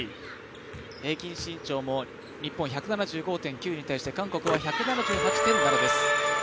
平均身長も日本は１７５．９に対して韓国は１７８．７です。